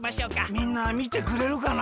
みんなみてくれるかな。